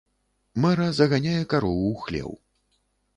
Мэра заганяе карову ў хлеў.